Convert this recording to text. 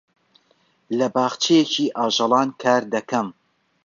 لە باخچەیەکی ئاژەڵان کار دەکەم.